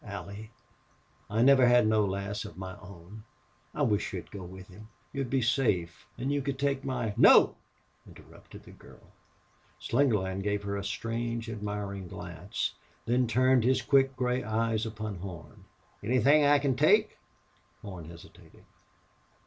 "Allie, I never had no lass of my own.... I wish you'd go with him. You'd be safe an' you could take my " "No!" interrupted the girl. Slingerland gave her a strange, admiring glance, then turned his quick gray eyes upon Horn. "Anythin' I can take?" Horn hesitated.